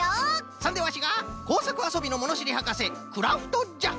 そんでワシがこうさくあそびのものしりはかせクラフトじゃ！